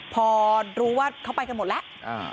พอรู้ว่าเขาไปกันหมดแล้ว